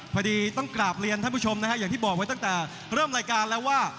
พอดีต้องกราบเรียนท่านผู้ชมนะฮะอย่างที่บอกไว้ตั้งแต่เริ่มรายการแล้วว่า